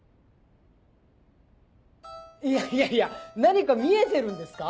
いやいやいや何か見えてるんですか？